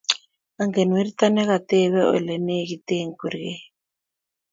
angen werto ne katebe ole negite kurget